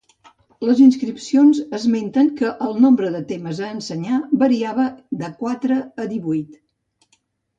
Les inscripcions esmenten que el nombre de temes a ensenyar variava de quatre a divuit.